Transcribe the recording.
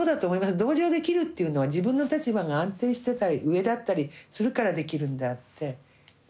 同情できるというのは自分の立場が安定してたり上だったりするからできるんであって。